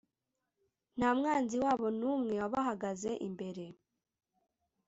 Nta mwanzi wabo n umwe wabahagaze imbere